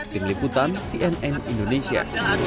tim liputan cnn indonesia